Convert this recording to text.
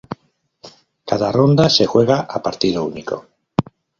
Cada ronda se juega a partido único.